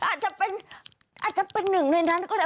อาจจะเป็นหนึ่งในหนังนะคะ